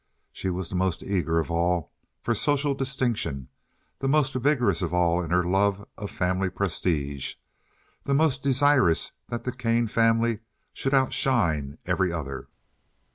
She was the most eager of all for social distinction, the most vigorous of all in her love of family prestige, the most desirous that the Kane family should outshine every other.